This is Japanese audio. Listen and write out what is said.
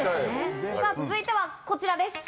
続いてはこちらです。